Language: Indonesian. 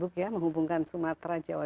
yang tersibuk ya menghubungkan sumatera jawa